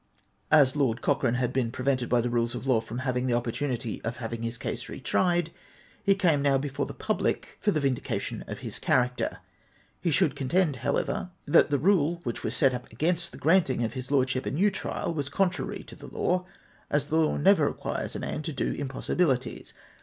As Lord Cochrane had been prevented by the rules of law from having the opportunity of having his case re tried, he now came before the public for the vindication of his character. He should contend, however, that the rule which was set up against the granting to his Lordship a new trial was contrary to the law, as the law never requires a man to do impossibilities.